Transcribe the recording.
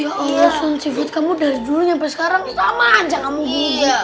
ya allah sun sifat kamu dari dulu sampai sekarang sama aja kamu juga